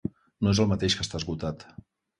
No és el mateix que estar esgotat.